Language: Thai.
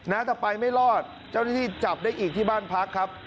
นะแต่ไปไม่รอดเจ้าหน้าที่จับได้อีกที่บ้านพักครับ